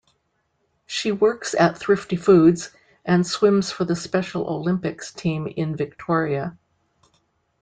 She works at Thrifty Foods and swims for the special Olympics team in Victoria.